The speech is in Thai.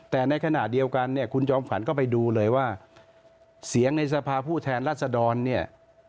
แต่ในขณะเดียวกันเนี่ยคุณจอมขวัญก็ไปดูเลยว่าเสียงในสภาผู้แทนรัศดรเนี่ย